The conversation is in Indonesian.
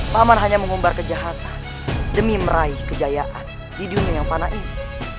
paman hanya mengumbar kejahatan demi meraih kejayaan di dunia yang fana ini